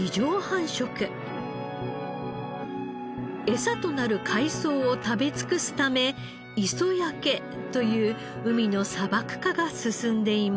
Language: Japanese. エサとなる海藻を食べ尽くすため磯焼けという海の砂漠化が進んでいます。